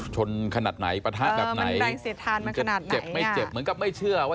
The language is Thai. ชนขนาดไหนประทากับไหนจะเจ็บไม่เจ็บอย่างงานมันเป็นอย่างไง